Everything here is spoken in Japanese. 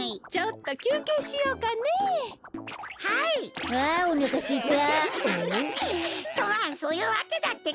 とまあそういうわけだってか！